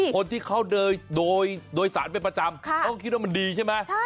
คนที่เขาโดยสารเป็นประจำเขาก็คิดว่ามันดีใช่ไหม